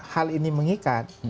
sop ini mengikat